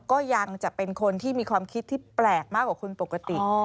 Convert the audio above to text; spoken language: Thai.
ก็ยังจะเป็นคนที่มีความคิดที่แปลกมากกว่าคนปกติ